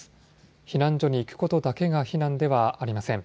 避難所に行くことだけが避難ではありません。